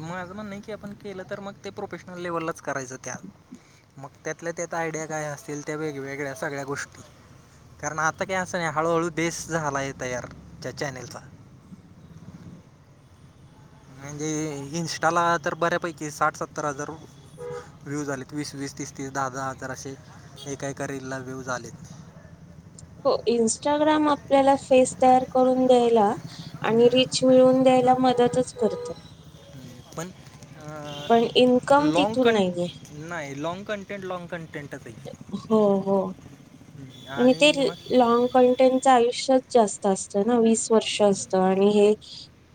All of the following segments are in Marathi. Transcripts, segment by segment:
माझं म्हणण की आपण केलं तर मग ते प्रोफेशनल लेव्हललाच करायचं त्या. मग त्यातल्या त्यात आयडिया काय असतील, त्या वेगवेगळ्या सगळ्या गोष्टी कारण आता कसं हाय हळूहळू बेस झालाय तयार त्या चॅनेलचा. म्हणजे इंस्टाला तर बऱ्यापैकी, साठ सत्तर हजार रु व्ह्यू आलेत. वीस वीस, तीस तीस, दहा दहा हजार असे एका एका रीलला व्यूज आलेत. हो इन्स्टाग्राम आपल्याला फेस तयार करून द्यायला. आणि री मिळवून द्यायला मदतच करत. पण, अ पण इन्कम लाँग तिथून कंन नाहीये. नाही. Long content. Long content. हो हो. आहे आणि ते मग लॉग कन्टे त्यांच आयुष्यच जास्त असतं ना. वीस वर्ष असत. आणि हे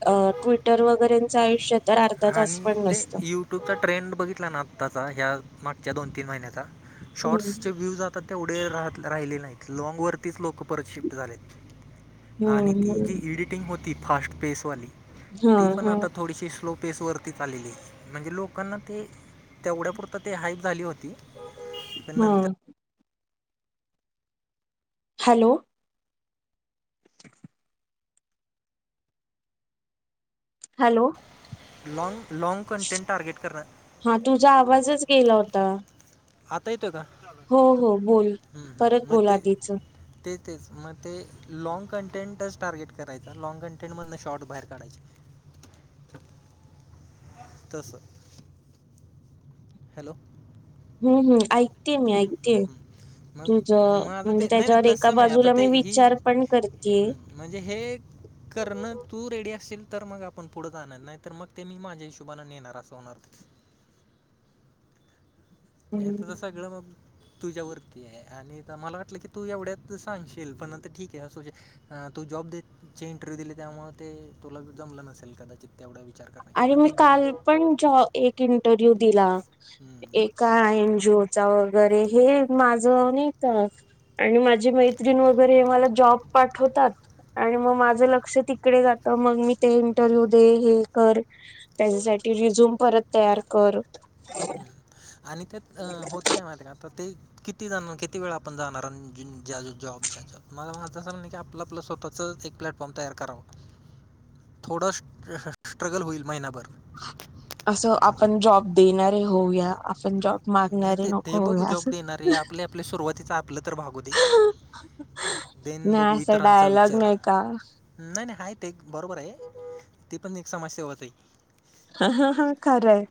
अ ट्विटर वगैरेचं आयुष्य तर, अर्धा तास पण नसतं. यट्यूबचा ट्रेंड बघितला ना आताचा. ह्या मागच्या दोन तीन महिन्याचा. हम्म शॉर्ट्सचे व्ह्यूज आता तेवढे राह राहिले नाहीत. लँगवरतीच लोक परतशिफ्ट झालेत. आणि हम्म ती हम्म. जी इडिटिंग होती फास्ट पेसवाली. हा ती पण हा आता थोडीशी स्लो स्पेसवरतीच आलेली. म्हणजे लोकांना ते तेवढ्यापुरतां ते हाईप झाली होती. ते हा नंतर hello. Hello. Long long content target करा केला होता. आता येतोय का? हो हो बोल हम्म परत हम्म म बोल ते आधीच ते तेच. म ते लँग कंटेंटच टार्गेट करायचा. लाँग कंटेंट मधून शॉर्ट बाहेर काढायचं. तस. हॅलो. हम्म हम्म ऐकतीय मी ऐक तीये. मग तुझ. माझं म्हणजे ते नाही नाही त्याच्यावर एका तसं नाही आता बाजूला ते मी ही विचार पण करतीये. हम्म, म्हणजे हे करणं तू रेडी असशील तर मग आपण पुढे जाणार. नाही त म ते मी माझ्या हिशोबाने नेणार. असं होणार ते. त्या त सगळं मफ तुझ्या वरतीये. आणि मला वाटलं की तू एवढ्यात सांगशील. पण आता ठीके असू दे. तू जॉब द चे इंटरव्ह्यू दिले. त्यामुळे ते तुला जमलं नसेल कदाचित तेवढा विचार करा आणि मी काल पण जॉ एक इंटरव्ह्यू दिला. हम्म, एका आयनजीओ चा वगैरे. हे माझं नाही का? आणि माझे मैत्रीण वगैरे मला जॉब पाठवतात. आणि मग माझं लक्ष तिकडे जातं. मग मी ते इंटरव्ह्यू दे. हे कर. त्यांच्यासाठी रिझूम परत तयार कर. हम्म, आणि ते होते काय माहिते का? त ते कि किती जाणार. किती वेळा आपण जाणार. जीन ज्याल जॉब्स च्या येच्यात. मला [unintelligible] की आपलं पल स्वतःच एक प्लॅटफॉर्म तयार करावं. थोडं स्ट स्ट्रगल होईल महिनाभर. असं आपण जॉब देणारे होऊया. आपण जॉब नाही मागणारे ते ते नको बघू होऊया जॉब असं. देणारे. आपले आपले सुरुवातीच आप पलं तर भागू दे. देन नाही बघू असा इतरांचा डायलॉग विचार. नाही का नाही नाही हाये ते एक बरोबरे. ती पण एक समाजसेवाचे की. खरय.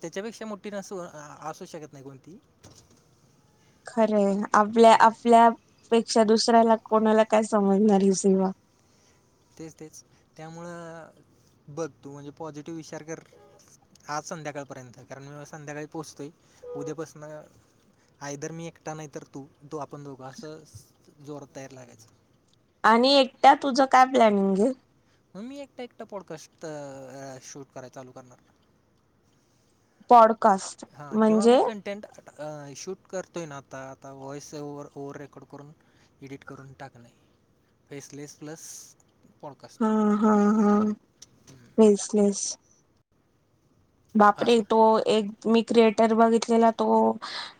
त्याच्यापेक्षा मोठठी नसू, असू शकत नाही कोणती. खरय. आपल्या आपल्यापेक्षा दुसऱ्याला कोणाला काय समजणार ही सेवा. तेच तेच. त्यामुळं बघ तू म्हणजे पॉझिटिव्ह विचार कर. आज संध्याकाळपर्यंत कारण मी संध्याकाळी पोहोचतोय उद्यापासून आदर [unintelligible] मी एकटा नाही तर तू तो आपण दोघं असं जोरात तयार लागायचं आणि एकट्या तुझं काय प्लॅनिंग आहे? मग मी एकटा एकटा पॉडकास्ट शूट कराय चालू करणार. पॉडकास्ट हा किंवा म्हणजे मग कटेंट शूट करतोय ना आता आता व्हॉइस ओव्हर- ओव्हर रेकॉर्ड करून एडिट करून टाकणे फेसलेस प्लस पॉडकास्ट हा हा यसं यस बापरे असं तो एक मी क्रिएटर बघितलेला तो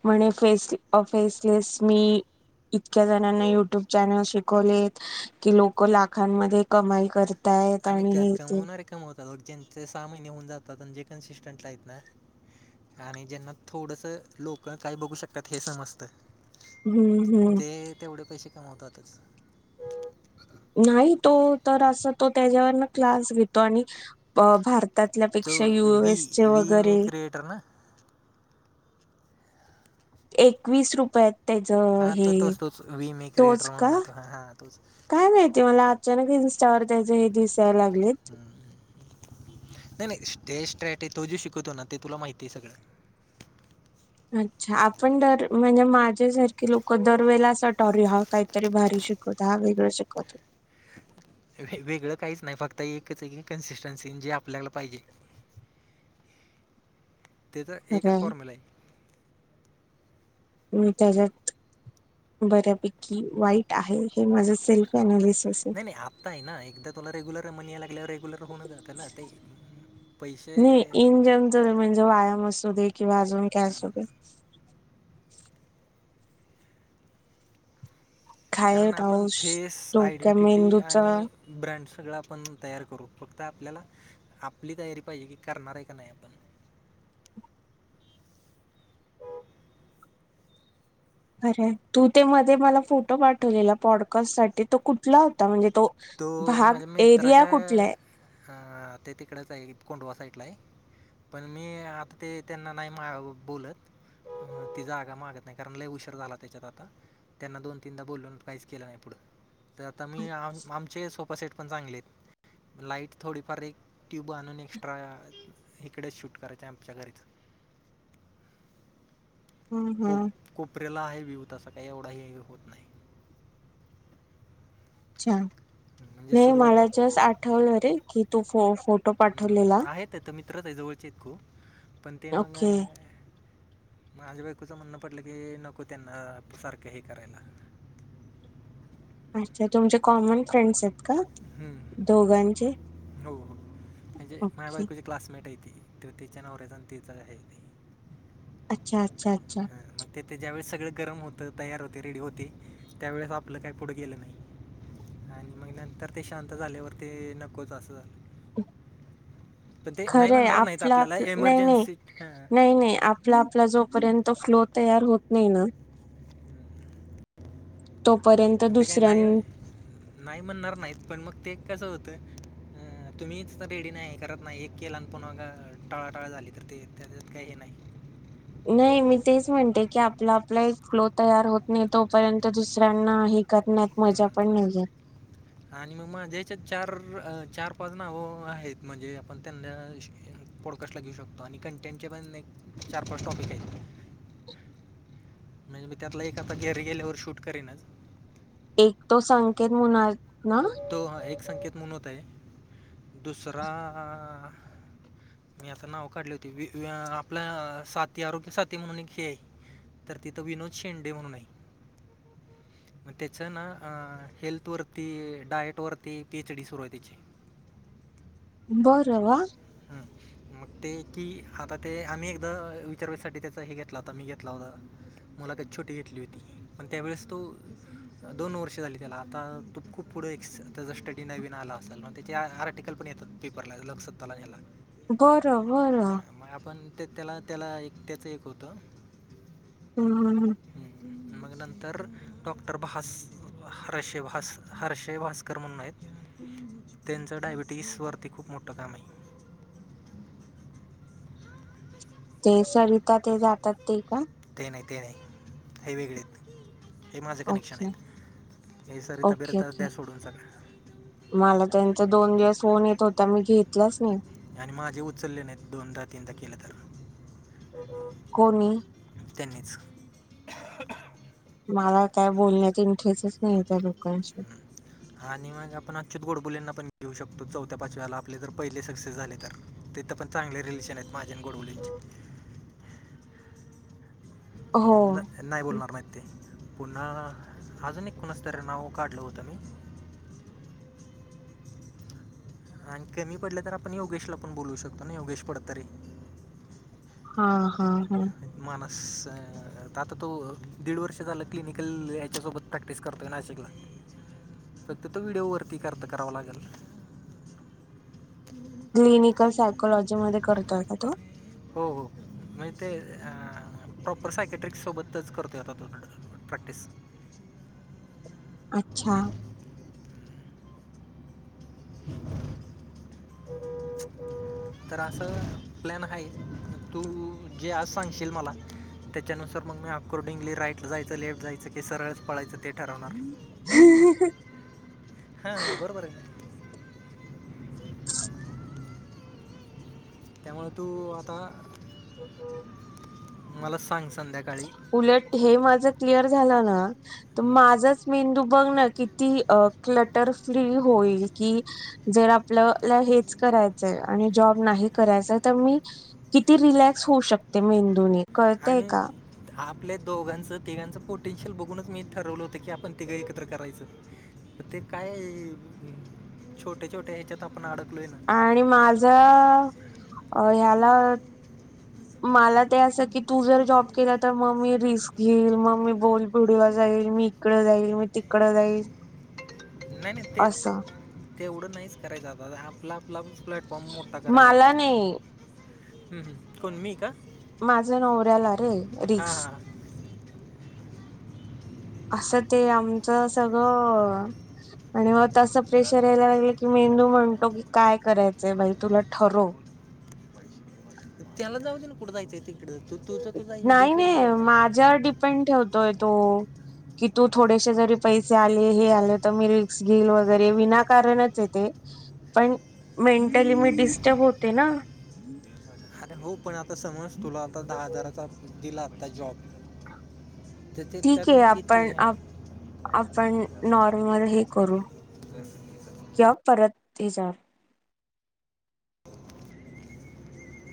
म्हणे फेस फेसलेस मी इतक्या जणांना युट्यूब चॅनल शिकवलेत की लोक लाखांमध्ये कमाई करत आहेत आणि हे इथे ल ज्यांचे सहा महिने होऊन जातात आणि जे कन्सिस्टंट आहेत ना आणि ज्यांना थोडंस लोक काय बघू शकतात हे समजत हम्म हम्म. ते तेवढे पैसे कमवतातच. नाही तो तर असं तो त्याच्यावरन क्लास घेतो आणि भारत त्यातल्यापेक्षा यूएस चे वगैरे क्रियेटर ना एकवीस रुपयात त्याच हां तो हे तोच तोच वी मे तोच क्रिएटर का? म्हणून आहे तो हां हां तोच काय माहिती मला अचानक इन्स्टावर त्याचे हे दिसायला लागलेत. नाही नाही ते स्ट्रॅटे तोजो शिकवतो ना ते तुला माहिती आहे सगळं. अच्छा आपण दर म्हणजे माझ्यासारखे लोक दरवेळा सटर ह काहीतरी भारी शिक हा वेगळं शिकवतो. वेगळं काहीच नाही फक्त एकच एक कन्सिस्टन्सी जे आपल्याला पाहिजे. तेचा एकच फॉर्म्युला आहे. त्याच्यात बऱ्यापैकी वाईट आहे हे माझं सेल्फ अनालिसिस आहे नाही नाही आता आहे ना एकदा तुला रेग्युलर मणी याला लागल्यावर रेग्युलर होऊन जातं ना ते. पैसे नाही इन जनरल म्हणजे व्यायाम असू दे किंवा अजून काय असू दे खाय कारण आपण राहू फेस, डोक्या आयडेंटीटी मेंदूचा आणि ब्रँड सगळं आपण तयार करू फक्त आपल्याला आपली तयारी पाहिजे की करणार आहे का नाही आपण अरे तू ते मध्ये मला फोटो पाठवलेला पॉडकास्ट साठी तो कुठला होता म्हणजे तो तो भाग माझ्या एरिया कुठला आहे मित्राच्या ते तिकडेच आहे कोंडवा साईडला आहे. पण मी आता ते त्यांना नाही बोलत अ ती जागा मागत नाही कारण लय उशीर झाला त्याच्यात आता. त्यांना दोन तीनदा बोलून काहीच केलं नाही पुढं तर आता मी आमचे सोफा सेट पण चांगले आहेत लाईट थोडीफार एक ट्यूब आणून एक्स्ट्रा इकडेच शूट करायच आमच्या घरीच. [inaudible] हम् हम. कोपर्याला आहे व्हिव तसां काही एवढा हे होत नाही. च्छा म्हणजे नाही सुरुवात मला जस्ट आठवलं रे की तो फो फोट हम् आहेत ते त मित्रच आहे जवळचे आहेत खूप, पण ते मग ओके काय माझ्या बायकोचं म्हणणं पडल की नको त्यांना अ सारखं हे करायला. अच्छा! तुमचे कॉमन फ्रेंड्स आहेत का हम्म, दोघांचे? हो हो म्हणजे माझ्या ओके. बायकोची क्लासमेट आहे ते त्यो तिच्या नवऱ्याचा न तिचा [unintelligible] अच्छा अच्छा अच्छा! ह मग तेथे ज्यावेेस सगळं गरम होतं, तयार होते, रेडी होते, त्यावेेळेस आपलं काही पुढं गेलं नाही. आणि मग नंतर ते शांत झाल्यावर ते नकोच असं पण ते नाही खरंय म्हणणार नाहीत आपलं आप आपल्याला नाही, नाही, एमर्जन्सी हां नाही, नाही आप आपला आपला जोपर्यंत फ्लो तयार होत नाही ना तोपर्यंत ते काही नाही, दुसऱ्यां नाही म्हणणार नाहीत. पण मग ते कसं होतं हू तुम्ही इथ तर रेडी नाही, करत नाही, एक केला न पून्हा ज टाळाटाळ झाली, तर ते त्याज्यात काही हे नाही. [inaudible] नाही मी तेच म्हणते की आपला आपला एक फ्लो तयार होत नाही तोपर्यंत दुसऱ्यांना हे करण्यात मजा पण हम्म. नाहीये. आणि मग माझ्या हेच्यात चार, चार पाच नाव आहेत म्हणजे आपण त्यांना [unintelligible] पडो कसला घेऊ शकतो आणि कंटेंटचे पण एक चार पाच टॉपिक आहेत. म्हणजे मी त्यातला एखादा घरी गेल्यावर शूट करीनच. एक तो संकेत म्हणू आहे. तो हा एक संकेत म्हणु होता, दुसरा आ आ मी आता नाव काढली होती वि आ आपला साथी, आरोग्य साथी म्हणून एक खेळ आहे तर तिथं विनोद शेंडे म्हणून आहे. म त्याच ना हेल्थ वर ते डाएटवरती पी एच डी सुरू आहे त्याची. बर व्वा! हम्म. मग ते की, आता ते आम्ही एकदा विचारवया साठी त्याचा हे घेतला होता. मी घेतला होता. मुलाखत छोटी घेतली होती. पण त्यावेळेस तो, दोन वर्ष झाली त्याला आता तो खूप पुढं एकस त्याचा स्टडी नवीन आला असल ना त्याचे आर आर्टिकल पण येतात पेपरला लोकसत् ताला हेला बरं बरं मग आपण ते त्याला, त्याला एक त्याचं एक होतं. हम् हम हम. मग नंतर डॉक्टर भास, हर्षे भास, हर्षे भास्क कर म्हणून आहेत. त्यांचं डायबिटीसवरती खूप मोठं काम आहे. ते सविता ते जातात ते का? ते नाही, ते नाही, हे वेगळेत. हे माझ कनेक्शन ओके आहेत. हे सरता ओके बिरीता ओके दया सोडून सगळ्या. मला त्यांचा दोन दिवस फोन येत होता, मी घेतलाच नाही. आणि माझे उचलले नाहीत, दोनदा तीनदा केलं तर. कोणी? त्यानीच. मला काय बोलण्यात इंटरेसच नाही त्या लोकांशी. [inaudible] आणि मंग आपणं अच्युंत गोडबोलेंना पणं घेऊं शकतो चौथ्या पांच व्यांला आपले जरं पहिले सक्सेस झाले तरं तिथं पणं चांगले रिलेशन आहेतं माझे आणि गोडबोलेंचे. हो. नाहीं बोलणारं नाहींते पुन्हां अजूंन एक कोणाचं तरं नांव काढलं होतं मी आणि कमी पडल्यां तरं आपणं योगेशलां पणं बोलवूं शकतो नां योगेश फडतरे. हां.. हां.. हां.. माणसं आंता तो दीड वर्ष झालां क्लिनिकल यांच्यासोबतं प्रॅक्टिस करतो नां सगळं, फक्तं तो व्हिडिओ वरती करतं करावं लागेल. क्लिनिकल सायकोलॉजी मध्यें करतोय कां तो. हो हो.. म्हणजे ते.. प्रॉपर सायकेट्रिक सोबतंच करतोय. आंता तो प्रॅक्टिस अच्छा, [inaudible] [unintelligible] तरं असं प्लॅन आहे. तूं जे आंज सांगशील मलां त्यांच्यानंतर मंग मी हाफकोडिंगली राईटला जायचं, लेफ्ट जायचं, की सरळंच पळायचं, ते ठरवणांर. हं.... हां, बरोबर आहे. [inaudible] [unintelligible] त्यांमुळे तूं आंता मलां सांग संध्याकांळी. उलटं हे माझं क्लिअर झालायं नां तरं हम्म, माझांच मेंदू बघं नां किती क्लटरं फ्री होईल कि जरं आपल्यांला हेंच करायचंय आणि जॉब नाहीं करायचं तरं मी किती रिलॅक्स होऊं शकते मेंदू नी हांय मीन आपल्या दोघांचं, तिघांचं, पोटेन्शियल बघूंनचं मी ठरवलं होतं की आपणं तिघं एकत्रं करायचं. ते कायं छोट्यां छोट्यां ह्यांच्यात आपणं अडकलोय नां.. आणि मां जां ह्यांलाचं.. हम्मं मलां ते असं की तूं जरं जॉब केलां तरं मंग मी रिस्क घेईल. मंग मी बोलबडवा जाईल मी तिकडं जाईल, मंग तिकडं जाईल, नाहीं नाहीं ते असं तेवढं नाहींच करायचं. आं आंपल आंपल प्लॅटफॉर्म मोठां करांयचा मला नाही आपणं, कोणं मी कां? माझं नवऱ्यांला रिस्क [inaudible] [unintelligible] असं, ते आमचं सगळं आणि मंग ते प्रेशर यांयला लागलं, की मेंदू म्हणतो की कायं करायचं बाई तुलां ठरवं. त्यांला जाऊं दे नां कुठं जायचं तिकडं, तूं तुझं ब्रँड आहे. माझ्यांवर डिपेंड ठेवतोय तो.. कि तूं थोडेसे जरी पैसे आले हे आले तरं, मी रिक्स घेईल वगैरें विनाकारणंचं येते पणं मेंटली मी डिस्टर्ब होते नां. अरे हो, पणं आंता समजं तुलां आंता दहा हजारांचा दिला आंता जॉब. ते ते त्यांतन किती हांय आपणं नॉर्मल हे करूं.. तरं, जॉब परत तीजा